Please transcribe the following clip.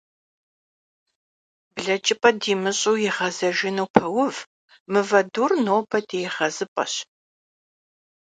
Блэкӏыпӏэ димыщӏу игъэзэжыну пэув, мывэ дур нобэ ди егъэзыпӏэщ.